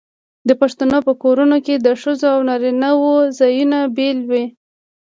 د پښتنو په کورونو کې د ښځو او نارینه وو ځایونه بیل وي.